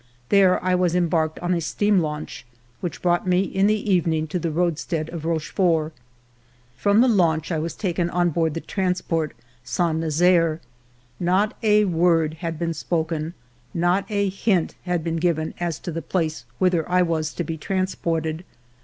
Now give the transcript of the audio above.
There I was embarked on a steam launch, which brought me in the evening to the roadstead of Rochefort. From the launch I was taken on board the transport, Saint Nazaire. Not a word had been spoken, not a hint had been given as to the place whither I was to be transported.